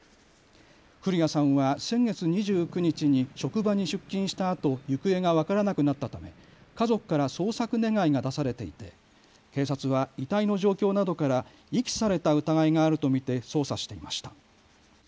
古屋さんは先月２９日に職場に出勤したあと行方が分からなくなったため家族から捜索願いが出されていて警察は遺体の状況などから遺棄された疑いがあると見て捜査していました。